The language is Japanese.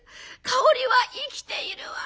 香織は生きているわ。